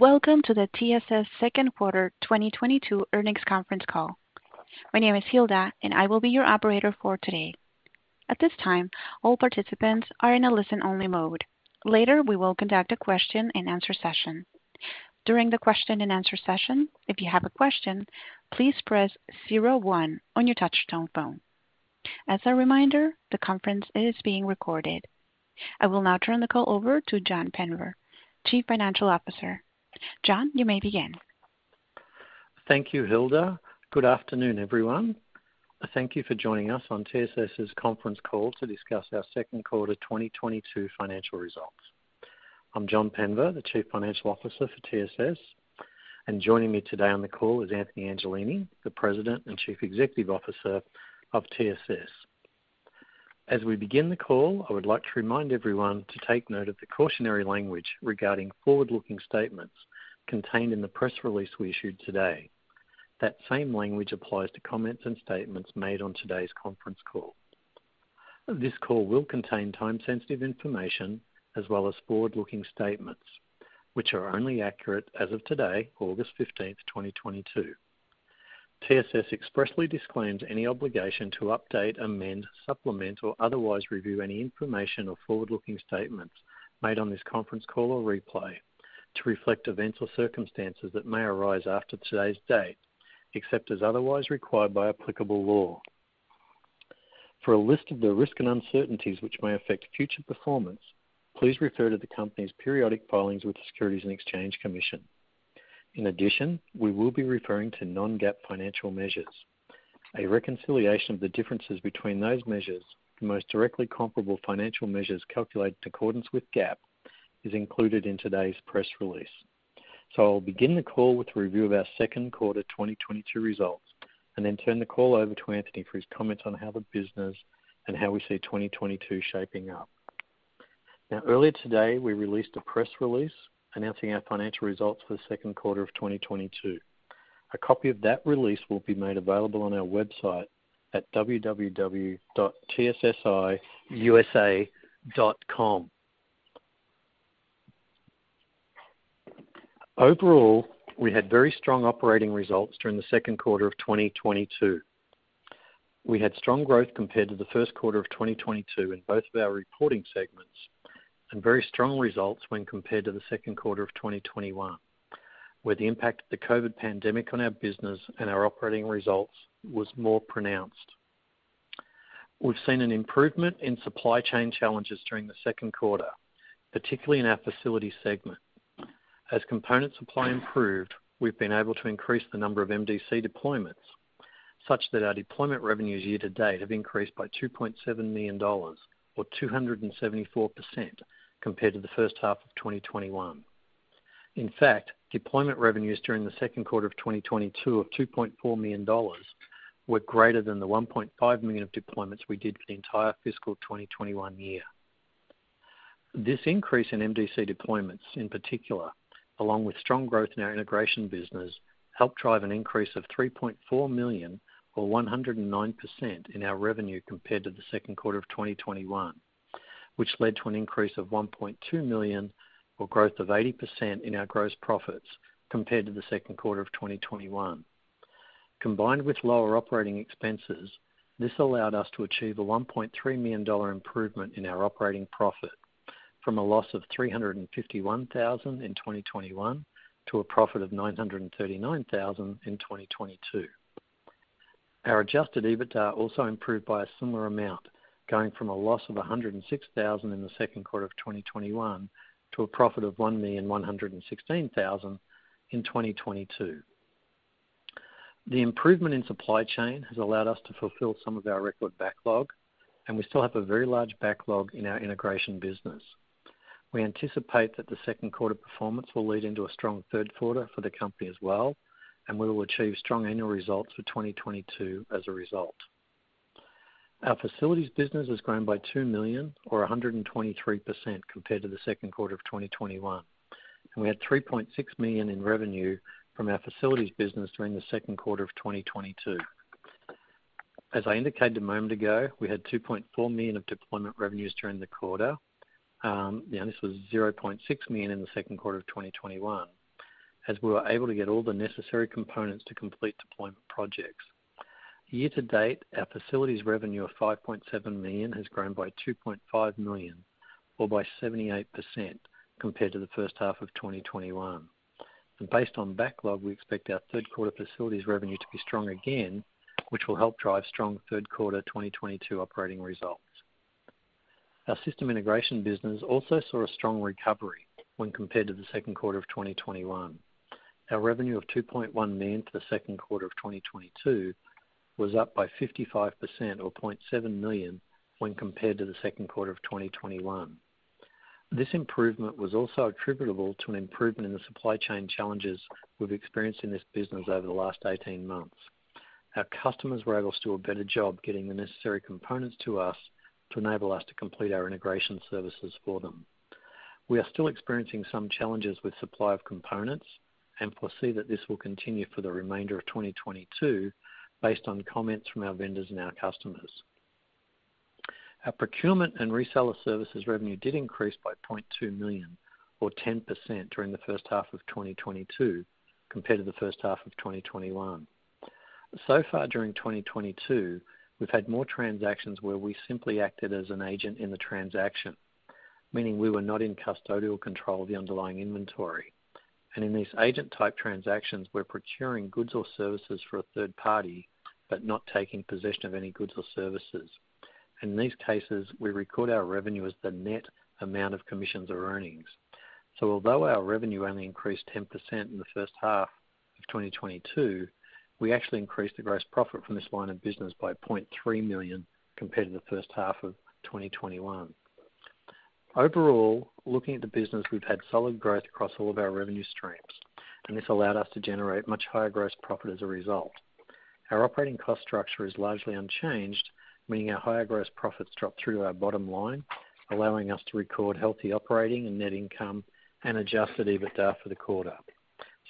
Welcome to the TSS second quarter 2022 earnings conference call. My name is Hilda and I will be your operator for today. At this time, all participants are in a listen-only mode. Later, we will conduct a question-and-answer session. During the question-and-answer session, if you have a question, please press zero one on your touch-tone phone. As a reminder, the conference is being recorded. I will now turn the call over to John Penver, Chief Financial Officer. John, you may begin. Thank you, Hilda. Good afternoon, everyone. Thank you for joining us on TSS's conference call to discuss our second quarter 2022 financial results. I'm John Penver, the Chief Financial Officer for TSS, and joining me today on the call is Anthony Angelini, the President and Chief Executive Officer of TSS. As we begin the call, I would like to remind everyone to take note of the cautionary language regarding forward-looking statements contained in the press release we issued today. That same language applies to comments and statements made on today's conference call. This call will contain time-sensitive information as well as forward-looking statements, which are only accurate as of today, August 15, 2022. TSS expressly disclaims any obligation to update, amend, supplement, or otherwise review any information or forward-looking statements made on this conference call or replay to reflect events or circumstances that may arise after today's date, except as otherwise required by applicable law. For a list of the risks and uncertainties which may affect future performance, please refer to the company's periodic filings with the Securities and Exchange Commission. In addition, we will be referring to non-GAAP financial measures. A reconciliation of the differences between those measures and the most directly comparable financial measures calculated in accordance with GAAP is included in today's press release. I'll begin the call with a review of our second quarter 2022 results and then turn the call over to Anthony for his comments on how the business and how we see 2022 shaping up. Now, earlier today, we released a press release announcing our financial results for the second quarter of 2022. A copy of that release will be made available on our website at www.tssiusa.com. Overall, we had very strong operating results during the second quarter of 2022. We had strong growth compared to the first quarter of 2022 in both of our reporting segments, and very strong results when compared to the second quarter of 2021, where the impact of the COVID pandemic on our business and our operating results was more pronounced. We've seen an improvement in supply chain challenges during the second quarter, particularly in our facilities segment. As component supply improved, we've been able to increase the number of MDC deployments such that our deployment revenues year to date have increased by $2.7 million or 274% compared to the first half of 2021. In fact, deployment revenues during the second quarter of 2022 of $2.4 million were greater than the $1.5 million of deployments we did for the entire fiscal 2021 year. This increase in MDC deployments, in particular, along with strong growth in our integration business, helped drive an increase of $3.4 million or 109% in our revenue compared to the second quarter of 2021, which led to an increase of $1.2 million or growth of 80% in our gross profits compared to the second quarter of 2021. Combined with lower operating expenses, this allowed us to achieve a $1.3 million improvement in our operating profit from a loss of $351,000 in 2021 to a profit of $939,000 in 2022. Our adjusted EBITDA also improved by a similar amount, going from a loss of $106,000 in the second quarter of 2021 to a profit of $1,116,000 in 2022. The improvement in supply chain has allowed us to fulfill some of our record backlog, and we still have a very large backlog in our integration business. We anticipate that the second quarter performance will lead into a strong third quarter for the company as well, and we will achieve strong annual results for 2022 as a result. Our facilities business has grown by $2 million or 123% compared to the second quarter of 2021, and we had $3.6 million in revenue from our facilities business during the second quarter of 2022. As I indicated a moment ago, we had $2.4 million of deployment revenues during the quarter. This was $0.6 million in the second quarter of 2021 as we were able to get all the necessary components to complete deployment projects. Year-to-date, our facilities revenue of $5.7 million has grown by $2.5 million or by 78% compared to the first half of 2021. Based on backlog, we expect our third quarter facilities revenue to be strong again, which will help drive strong third quarter 2022 operating results. Our system integration business also saw a strong recovery when compared to the second quarter of 2021. Our revenue of $2.1 million for the second quarter of 2022 was up by 55% or $0.7 million when compared to the second quarter of 2021. This improvement was also attributable to an improvement in the supply chain challenges we've experienced in this business over the last 18 months. Our customers were able to do a better job getting the necessary components to us to enable us to complete our integration services for them. We are still experiencing some challenges with supply of components and foresee that this will continue for the remainder of 2022 based on comments from our vendors and our customers. Our procurement and reseller services revenue did increase by $0.2 million or 10% during the first half of 2022 compared to the first half of 2021. So far during 2022, we've had more transactions where we simply acted as an agent in the transaction, meaning we were not in custodial control of the underlying inventory. In these agent-type transactions, we're procuring goods or services for a third party, but not taking possession of any goods or services. In these cases, we record our revenue as the net amount of commissions or earnings. Although our revenue only increased 10% in the first half of 2022, we actually increased the gross profit from this line of business by $0.3 million compared to the first half of 2021. Overall, looking at the business, we've had solid growth across all of our revenue streams, and this allowed us to generate much higher gross profit as a result. Our operating cost structure is largely unchanged, meaning our higher gross profits drop through to our bottom line, allowing us to record healthy operating and net income and adjusted EBITDA for the quarter.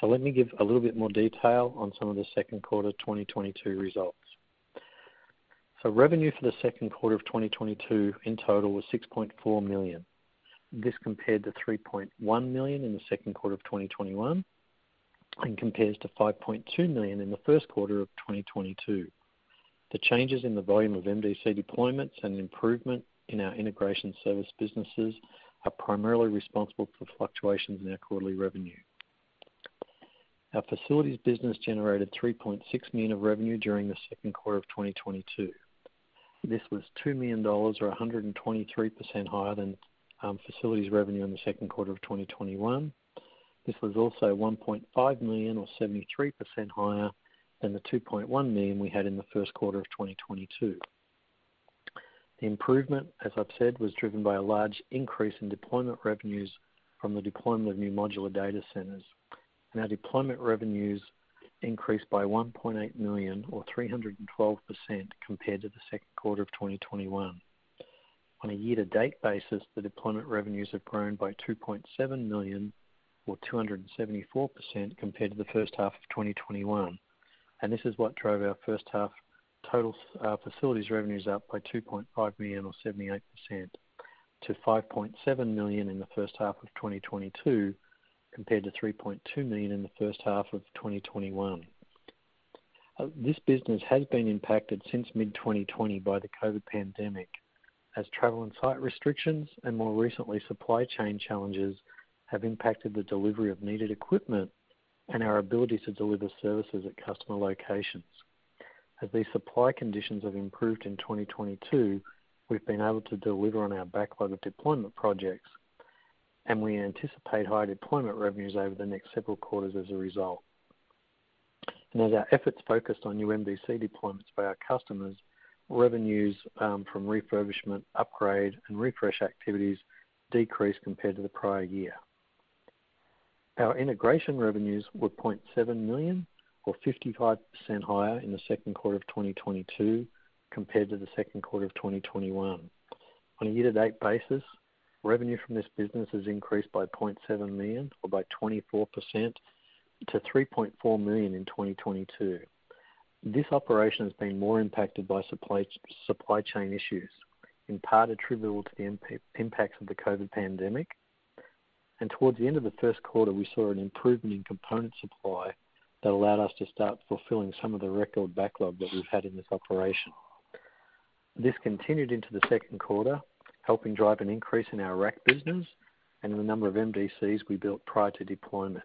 Let me give a little bit more detail on some of the second quarter 2022 results. Revenue for the second quarter of 2022 in total was $6.4 million. This compared to $3.1 million in the second quarter of 2021 and compares to $5.2 million in the first quarter of 2022. The changes in the volume of MDC deployments and improvement in our integration service businesses are primarily responsible for fluctuations in our quarterly revenue. Our facilities business generated $3.6 million of revenue during the second quarter of 2022. This was $2 million or 123% higher than facilities revenue in the second quarter of 2021. This was also $1.5 million or 73% higher than the $2.1 million we had in the first quarter of 2022. The improvement, as I've said, was driven by a large increase in deployment revenues from the deployment of new modular data centers. Our deployment revenues increased by $1.8 million or 312% compared to the second quarter of 2021. On a year-to-date basis, the deployment revenues have grown by $2.7 million or 274% compared to the first half of 2021. This is what drove our first half total facilities revenues up by $2.5 million or 78% to $5.7 million in the first half of 2022, compared to $3.2 million in the first half of 2021. This business has been impacted since mid-2020 by the COVID pandemic as travel and site restrictions and more recently, supply chain challenges have impacted the delivery of needed equipment and our ability to deliver services at customer locations. As these supply conditions have improved in 2022, we've been able to deliver on our backlog of deployment projects, and we anticipate higher deployment revenues over the next several quarters as a result. As our efforts focused on new MDC deployments by our customers, revenues from refurbishment, upgrade and refresh activities decreased compared to the prior year. Our integration revenues were $0.7 million or 55% higher in the second quarter of 2022 compared to the second quarter of 2021. On a year-to-date basis, revenue from this business has increased by $0.7 million or by 24% to $3.4 million in 2022. This operation has been more impacted by supply chain issues, in part attributable to the impacts of the COVID pandemic. Towards the end of the first quarter, we saw an improvement in component supply that allowed us to start fulfilling some of the record backlog that we've had in this operation. This continued into the second quarter, helping drive an increase in our rack business and in the number of MDCs we built prior to deployment.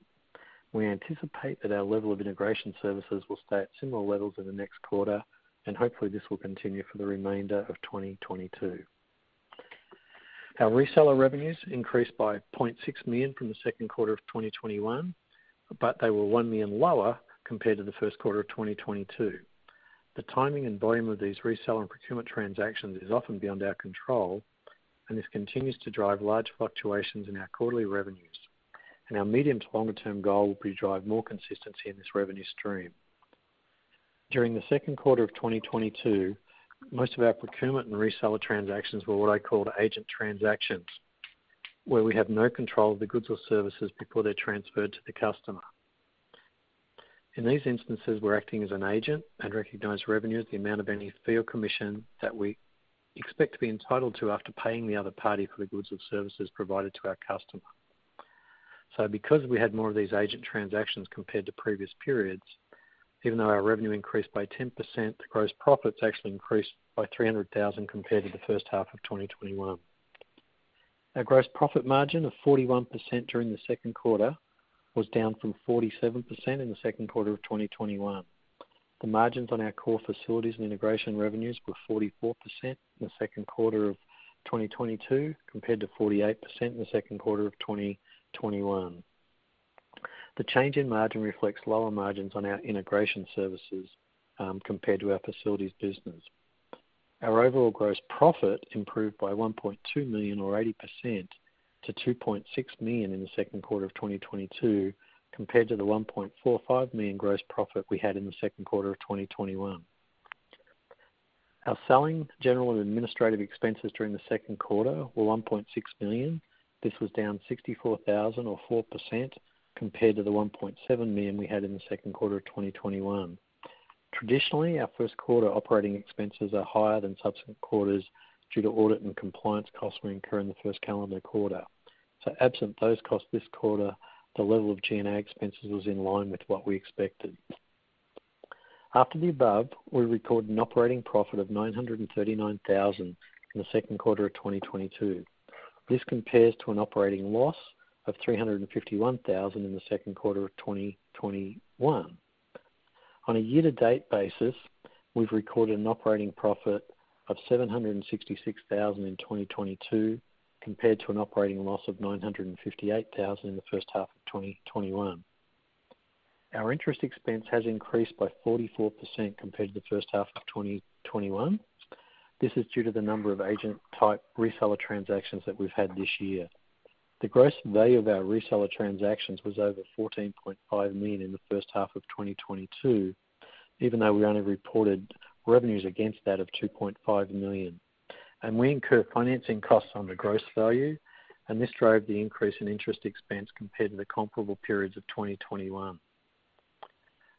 We anticipate that our level of integration services will stay at similar levels in the next quarter, and hopefully this will continue for the remainder of 2022. Our reseller revenues increased by $0.6 million from the second quarter of 2021, but they were $1 million lower compared to the first quarter of 2022. The timing and volume of these reseller and procurement transactions is often beyond our control, and this continues to drive large fluctuations in our quarterly revenues. Our medium to longer term goal will be to drive more consistency in this revenue stream. During the second quarter of 2022, most of our procurement and reseller transactions were what I call agent transactions, where we have no control of the goods or services before they're transferred to the customer. In these instances, we're acting as an agent and recognize revenue as the amount of any fee or commission that we expect to be entitled to after paying the other party for the goods or services provided to our customer. Because we had more of these agent transactions compared to previous periods, even though our revenue increased by 10%, the gross profits actually increased by $300,000 compared to the first half of 2021. Our gross profit margin of 41% during the second quarter was down from 47% in the second quarter of 2021. The margins on our core facilities and integration revenues were 44% in the second quarter of 2022, compared to 48% in the second quarter of 2021. The change in margin reflects lower margins on our integration services, compared to our facilities business. Our overall gross profit improved by $1.2 million or 80% to $2.6 million in the second quarter of 2022 compared to the $1.45 million gross profit we had in the second quarter of 2021. Our selling, general, and administrative expenses during the second quarter were $1.6 million. This was down $64,000 or 4% compared to the $1.7 million we had in the second quarter of 2021. Traditionally, our first quarter operating expenses are higher than subsequent quarters due to audit and compliance costs we incur in the first calendar quarter. Absent those costs this quarter, the level of G&A expenses was in line with what we expected. After the above, we recorded an operating profit of $939,000 in the second quarter of 2022. This compares to an operating loss of $351,000 in the second quarter of 2021. On a year-to-date basis, we've recorded an operating profit of $766,000 in 2022, compared to an operating loss of $958,000 in the first half of 2021. Our interest expense has increased by 44% compared to the first half of 2021. This is due to the number of agent-type reseller transactions that we've had this year. The gross value of our reseller transactions was over $14.5 million in the first half of 2022, even though we only reported revenues against that of $2.5 million. We incur financing costs on the gross value, and this drove the increase in interest expense compared to the comparable periods of 2021.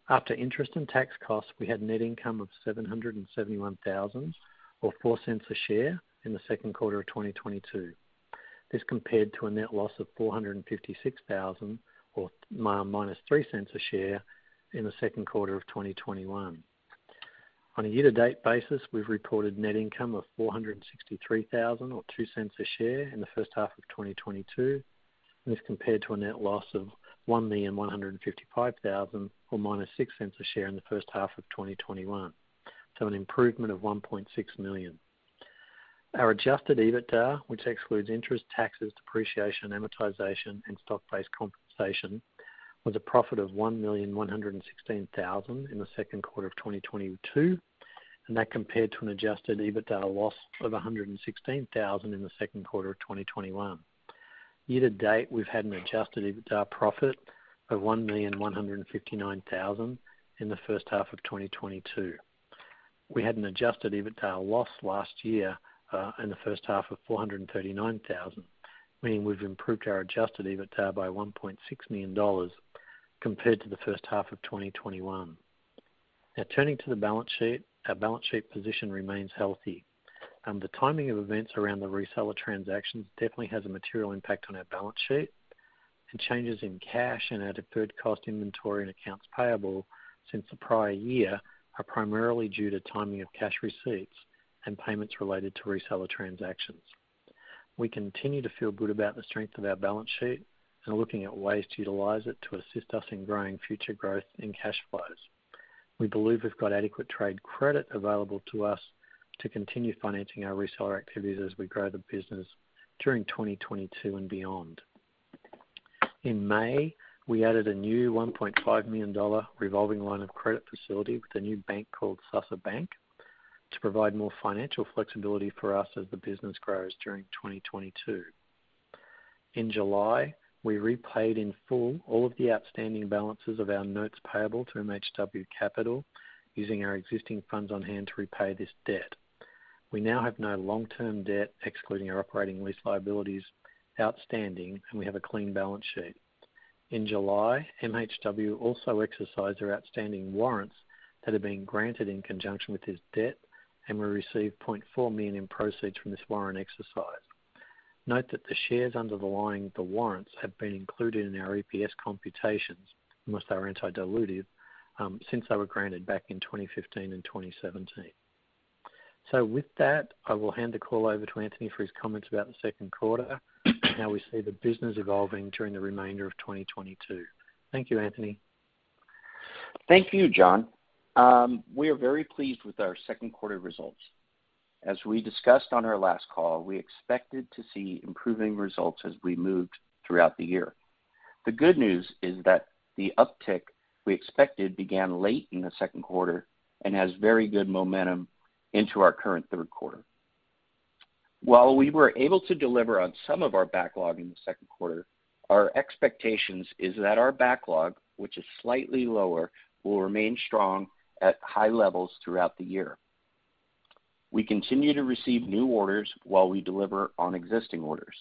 After interest and tax costs, we had net income of $771,000 or $0.04 per share in the second quarter of 2022. This compared to a net loss of $456,000 or -$0.03 per share in the second quarter of 2021. On a year-to-date basis, we've reported net income of $463,000 or $0.02 a share in the first half of 2022, and this compared to a net loss of $1,155,000 or -$0.06 a share in the first half of 2021. An improvement of $1.6 million. Our adjusted EBITDA, which excludes interest, taxes, depreciation, amortization, and stock-based compensation, was a profit of $1,116,000 in the second quarter of 2022, and that compared to an adjusted EBITDA loss of $116,000 in the second quarter of 2021. Year-to-date, we've had an adjusted EBITDA profit of $1,159,000 in the first half of 2022. We had an adjusted EBITDA loss last year in the first half of $439,000, meaning we've improved our adjusted EBITDA by $1.6 million compared to the first half of 2021. Now turning to the balance sheet, our balance sheet position remains healthy. The timing of events around the reseller transactions definitely has a material impact on our balance sheet, and changes in cash and our deferred cost inventory and accounts payable since the prior year are primarily due to timing of cash receipts and payments related to reseller transactions. We continue to feel good about the strength of our balance sheet and are looking at ways to utilize it to assist us in growing future growth in cash flows. We believe we've got adequate trade credit available to us to continue financing our reseller activities as we grow the business during 2022 and beyond. In May, we added a new $1.5 million revolving line of credit facility with a new bank called Susser Bank to provide more financial flexibility for us as the business grows during 2022. In July, we repaid in full all of the outstanding balances of our notes payable to MHW Capital using our existing funds on hand to repay this debt. We now have no long-term debt, excluding our operating lease liabilities, outstanding, and we have a clean balance sheet. In July, MHW also exercised their outstanding warrants that had been granted in conjunction with this debt, and we received $0.4 million in proceeds from this warrant exercise. Note that the shares underlying the warrants have been included in our EPS computations, unless they were anti-dilutive, since they were granted back in 2015 and 2017. With that, I will hand the call over to Anthony for his comments about the second quarter, and how we see the business evolving during the remainder of 2022. Thank you, Anthony. Thank you, John. We are very pleased with our second quarter results. As we discussed on our last call, we expected to see improving results as we moved throughout the year. The good news is that the uptick we expected began late in the second quarter and has very good momentum into our current third quarter. While we were able to deliver on some of our backlog in the second quarter, our expectations is that our backlog, which is slightly lower, will remain strong at high levels throughout the year. We continue to receive new orders while we deliver on existing orders.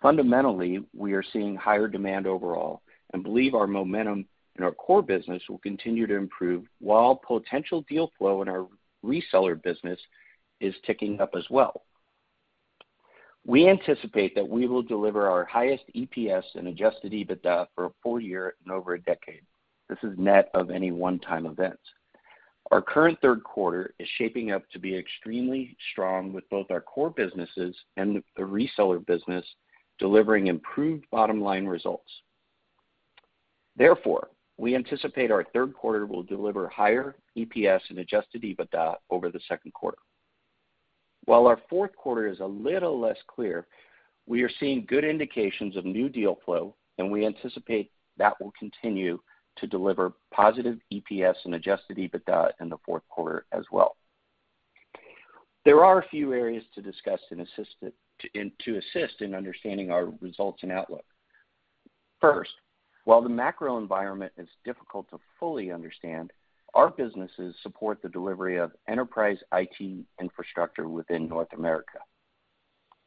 Fundamentally, we are seeing higher demand overall and believe our momentum in our core business will continue to improve, while potential deal flow in our reseller business is ticking up as well. We anticipate that we will deliver our highest EPS and adjusted EBITDA for a full year in over a decade. This is net of any one-time events. Our current third quarter is shaping up to be extremely strong with both our core businesses and the reseller business delivering improved bottom line results. Therefore, we anticipate our third quarter will deliver higher EPS and adjusted EBITDA over the second quarter. While our fourth quarter is a little less clear, we are seeing good indications of new deal flow, and we anticipate that will continue to deliver positive EPS and adjusted EBITDA in the fourth quarter as well. There are a few areas to discuss and to assist in understanding our results and outlook. First, while the macro environment is difficult to fully understand, our businesses support the delivery of enterprise IT infrastructure within North America.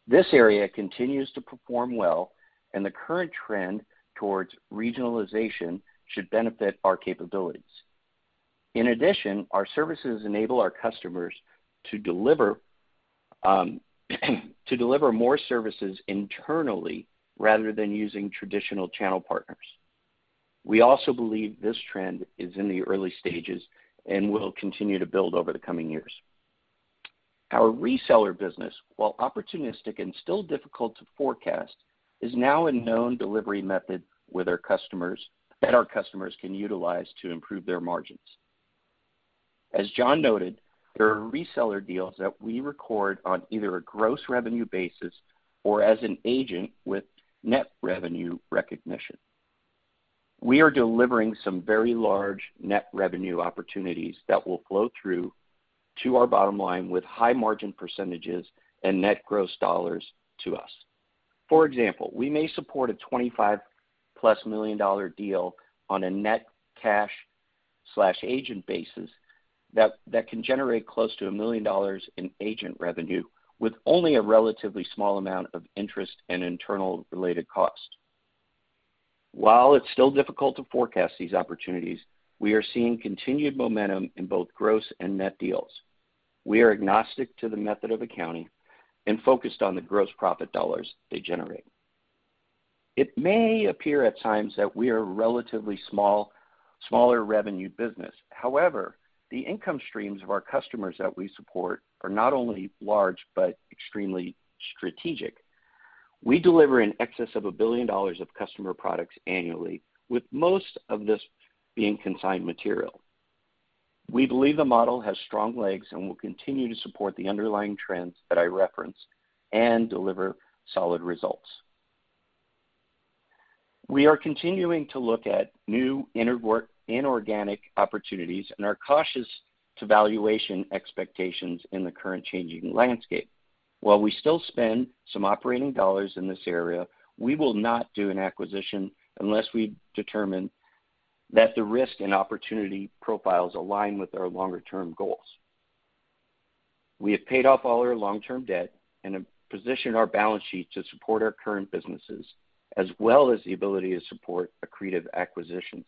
This area continues to perform well, and the current trend towards regionalization should benefit our capabilities. In addition, our services enable our customers to deliver more services internally rather than using traditional channel partners. We also believe this trend is in the early stages and will continue to build over the coming years. Our reseller business, while opportunistic and still difficult to forecast, is now a known delivery method with our customers, that our customers can utilize to improve their margins. As John noted, there are reseller deals that we record on either a gross revenue basis or as an agent with net revenue recognition. We are delivering some very large net revenue opportunities that will flow through to our bottom line with high margin percentages and net gross dollars to us. For example, we may support a $25+ million deal on a net cash/agent basis that can generate close to $1 million in agent revenue with only a relatively small amount of interest and internal-related costs. While it's still difficult to forecast these opportunities, we are seeing continued momentum in both gross and net deals. We are agnostic to the method of accounting and focused on the gross profit dollars they generate. It may appear at times that we are a relatively small, smaller revenue business. However, the income streams of our customers that we support are not only large but extremely strategic. We deliver in excess of $1 billion of customer products annually, with most of this being consigned material. We believe the model has strong legs and will continue to support the underlying trends that I referenced and deliver solid results. We are continuing to look at new inorganic opportunities and are cautious to valuation expectations in the current changing landscape. While we still spend some operating dollars in this area, we will not do an acquisition unless we determine that the risk and opportunity profiles align with our longer-term goals. We have paid off all our long-term debt and have positioned our balance sheet to support our current businesses, as well as the ability to support accretive acquisitions.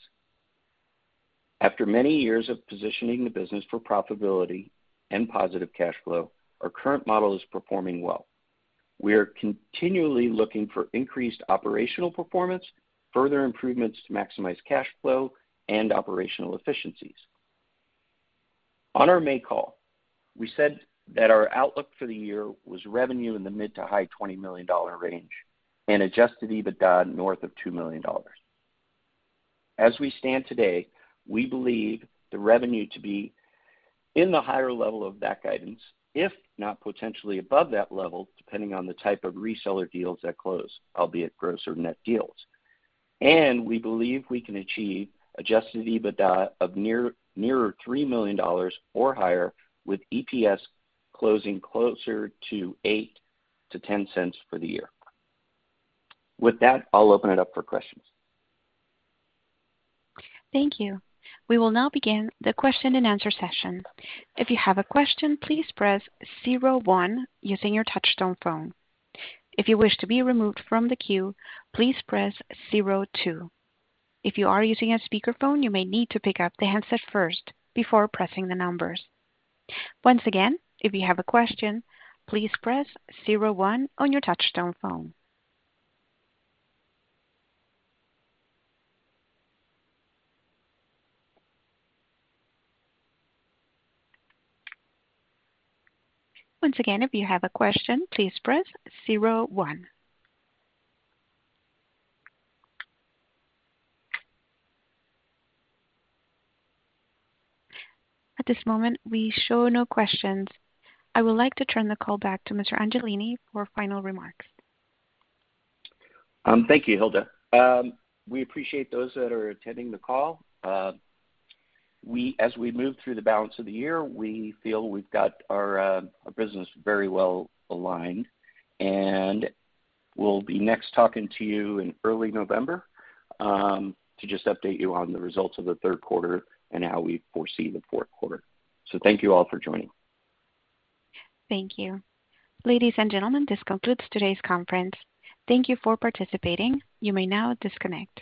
After many years of positioning the business for profitability and positive cash flow, our current model is performing well. We are continually looking for increased operational performance, further improvements to maximize cash flow and operational efficiencies. On our May call, we said that our outlook for the year was revenue in the mid- to high-$20 million range and Adjusted EBITDA north of $2 million. As we stand today, we believe the revenue to be in the higher level of that guidance, if not potentially above that level, depending on the type of reseller deals that close, albeit gross or net deals. We believe we can achieve adjusted EBITDA of nearer $3 million or higher with EPS closing closer to $0.08-$0.10 for the year. With that, I'll open it up for questions. Thank you. We will now begin the question-and-answer session. If you have a question, please press zero one using your touch-tone phone. If you wish to be removed from the queue, please press zero two. If you are using a speakerphone, you may need to pick up the handset first before pressing the numbers. Once again, if you have a question, please press zero one on your touch-tone phone. Once again, if you have a question, please press zero one. At this moment, we show no questions. I would like to turn the call back to Mr. Angelini for final remarks. Thank you, Hilda. We appreciate those that are attending the call. As we move through the balance of the year, we feel we've got our business very well aligned, and we'll be next talking to you in early November to just update you on the results of the third quarter and how we foresee the fourth quarter. Thank you all for joining. Thank you. Ladies and gentlemen, this concludes today's conference. Thank you for participating. You may now disconnect.